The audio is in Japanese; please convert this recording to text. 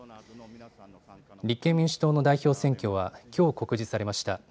立憲民主党の代表選挙はきょう告示されました。